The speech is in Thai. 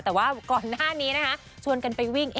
แต่ว่าก่อนหน้านี้นะคะชวนกันไปวิ่ง